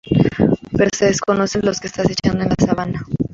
Pero desconocen lo que les está acechando en la sabana.